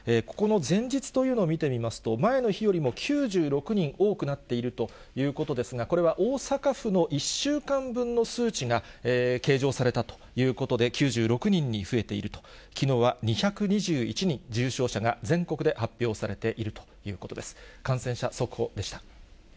ここの前日というのを見てみますと、前の日よりも９６人多くなっているということですが、これは大阪府の１週間分の数値が計上されたということで９６人に増えていると、きのうは２２１人、重症者が全国で発表されているということです。